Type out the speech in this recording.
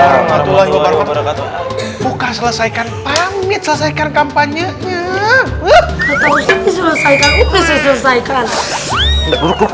warahmatullahi wabarakatuh buka selesaikan pamit selesaikan kampanye selesaikan selesaikan